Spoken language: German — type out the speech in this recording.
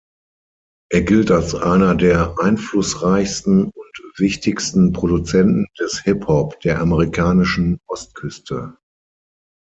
Er gilt als einer der einflussreichsten und wichtigsten Produzenten des Hip-Hop der amerikanischen Ostküste.